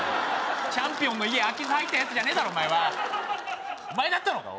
チャンピオンの家空き巣入ったやつじゃねえだろお前はお前だったのか！